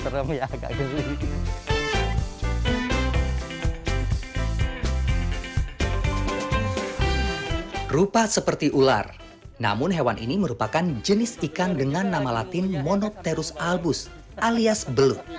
rupa seperti ular namun hewan ini merupakan jenis ikan dengan nama latin monoterus albus alias beluk